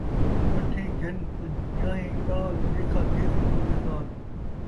سٹھیں گھن ، پن٘جاہیں ڳال ، لیکھا تھیسی آن٘دے سال